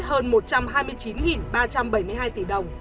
hơn một trăm hai mươi chín ba trăm linh tỷ đồng